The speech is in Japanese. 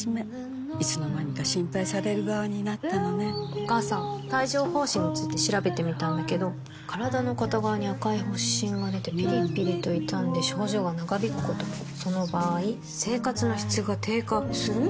お母さん帯状疱疹について調べてみたんだけど身体の片側に赤い発疹がでてピリピリと痛んで症状が長引くこともその場合生活の質が低下する？